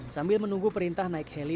sambil menunggu perintah naik heli